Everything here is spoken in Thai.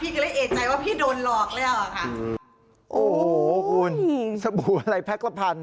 ก็เลยเอกใจว่าพี่โดนหลอกแล้วอ่ะค่ะโอ้โหคุณสบู่อะไรแพ็คละพัน